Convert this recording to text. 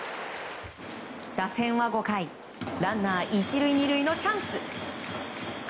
打線は５回ランナー１塁２塁のチャンス。